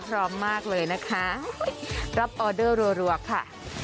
พร้อมมากเลยนะคะรับออเดอร์รัวค่ะ